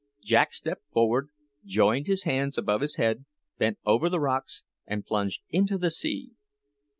Jack stepped forward, joined his hands above his head, bent over the rocks, and plunged into the sea.